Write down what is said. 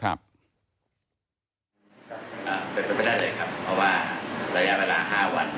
เป็นไปได้เลยครับเพราะว่าระยะเวลา๕วัน